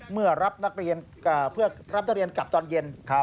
เมื่อรับนักเรียนกลับตอนเย็น